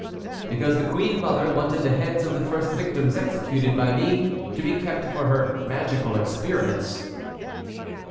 "Because the queen mother wanted the heads of the first victims executed by me to be kept for her magical experiments."